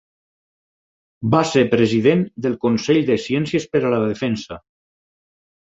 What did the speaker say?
Va ser president del Consell de Ciències per a la Defensa.